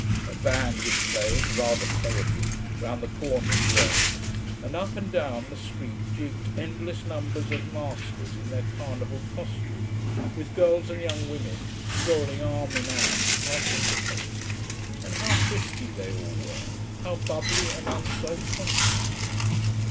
A band was playing, rather terribly, round the corner at the end, and up and down the street jigged endless numbers of maskers in their Carnival costume, with girls and young women strolling arm in arm to participate. And how frisky they all were, how bubbly and unself conscious!